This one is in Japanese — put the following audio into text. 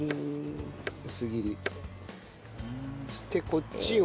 こっちを？